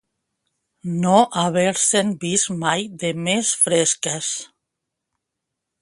No haver-se'n vist mai de més fresques.